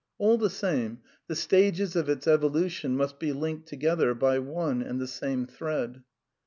All the same, the stages of its evolution must be linked to gether by one and the same thread.